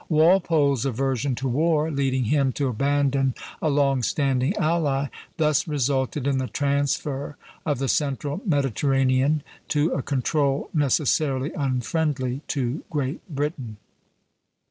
Walpole's aversion to war, leading him to abandon a long standing ally, thus resulted in the transfer of the central Mediterranean to a control necessarily unfriendly to Great Britain.